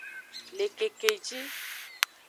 Le kekeji.